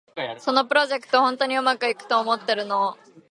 そのプロジェクト、本当にうまくいくと思ってるの？